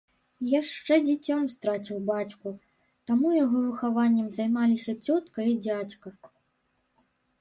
Яшчэ дзіцем страціў бацьку, таму яго выхаваннем займаліся цётка і дзядзька.